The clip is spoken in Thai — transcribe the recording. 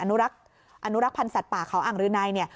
อนุรักษ์พันธ์สัตว์ป่าเขาอังรืนัย